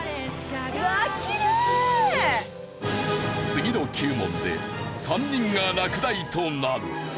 次の９問で３人が落第となる。